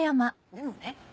でもね。